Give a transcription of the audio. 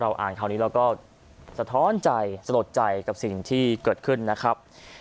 อ่านคราวนี้เราก็สะท้อนใจสลดใจกับสิ่งที่เกิดขึ้นนะครับ